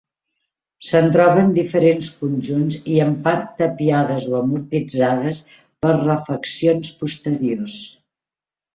Se'n troben diferents conjunts i en part tapiades o amortitzades per refaccions posteriors.